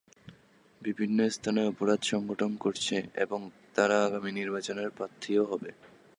বিভিন্ন স্থানে অপরাধ সংঘটন করছে এবং তারা আগামী নির্বাচনে প্রার্থীও হবে।